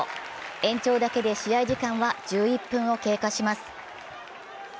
延長だけで試合時間は１１分を経過します。